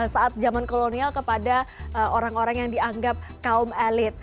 saat zaman kolonial kepada orang orang yang dianggap kaum elit